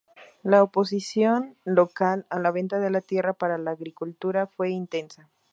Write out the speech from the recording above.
La oposición local a la venta de la tierra para la agricultura fue intensa.